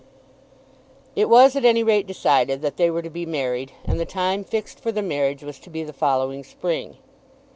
It was at any rate decided that they were to be married, and the time fixed for the marriage was to be the following spring.